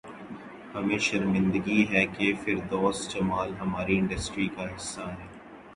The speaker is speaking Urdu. ہمیں شرمندگی ہے کہ فردوس جمال ہماری انڈسٹری کا حصہ ہیں